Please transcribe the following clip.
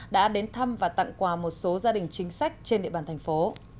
đã đến thăm và tặng quà một số gia đình chính sách trên địa bàn thành phố